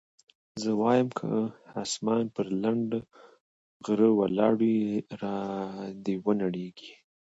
زه وايم که اسمان پر لنډه غرو ولاړ وي را دې ونړېږي.